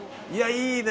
いいね。